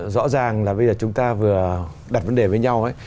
rõ ràng là bây giờ chúng ta vừa đặt vấn đề với nhau